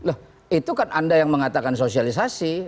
loh itu kan anda yang mengatakan sosialisasi